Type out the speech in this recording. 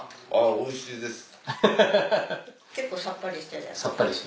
おいしいです。